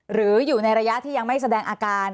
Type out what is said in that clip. หรืออยู่ในระยะที่ยังไม่แสดงอาการ